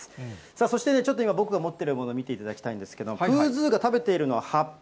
そしてちょっと今僕が持っているもの、見ていただきたいんですけど、プーズーが食べているのは、葉っぱ。